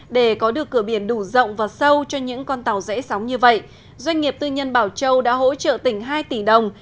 để có được cửa biển đủ rộng và sâu cho những con tàu dễ sóng như vậy doanh nghiệp tư nhân bảo châu đã hỗ trợ tỉnh hai tỷ đồng